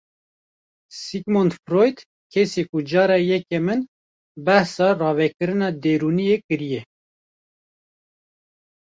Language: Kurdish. Sigmund Freud kesê ku cara yekemîn behsa ravekirina derûniyê kiriye ye.